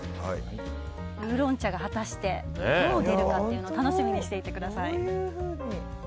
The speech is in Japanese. ウーロン茶が果たしてどう出るかを楽しみにしていてください。